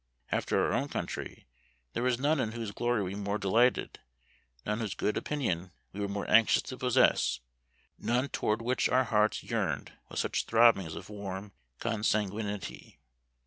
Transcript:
After our own country, there was none in whose glory we more delighted none whose good opinion we were more anxious to possess none toward which our hearts yearned with such throbbings of warm consanguinity.